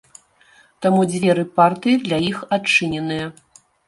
Таму дзверы партыі для іх адчыненыя.